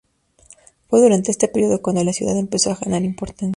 Fue durante este periodo cuando la ciudad empezó a ganar importancia.